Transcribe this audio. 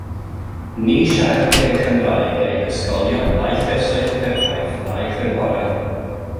Ni siaredir ei Chymraeg yn ei hysgolion na'i llysoedd cyfraith na'i chynghorau.